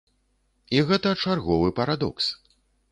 І гэта чарговы парадокс.